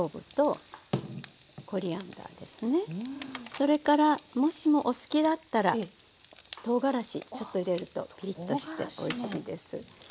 それからもしもお好きだったらとうがらしちょっと入れるとピリッとしておいしいです。